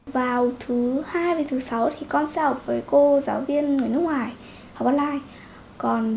vào thứ hai và thứ sáu thì con sẽ học với cô giáo viên người nước ngoài học online